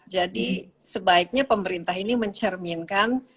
jadi sebaiknya pemerintah ini mencerminkan